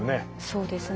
そうですね。